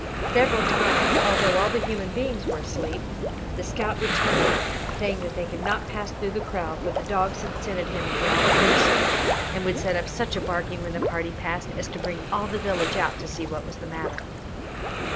Several times, although all the human beings were asleep, the scout returned, saying that they could not pass through the kraal, for the dogs had scented him and growled fiercely, and would set up such a barking when the party passed as to bring all the village out to see what was the matter.